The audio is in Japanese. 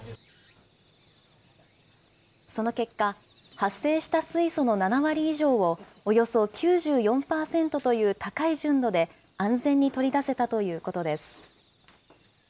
その結果、発生した水素の７割以上を、およそ９４％という高い純度で安全に取り出せたということです。